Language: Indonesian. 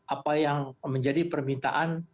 apa yang menjadi permintaan